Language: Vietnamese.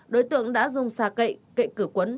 đối tượng đã dùng xà cậy cậy cửa quấn